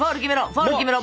フォール決めろ！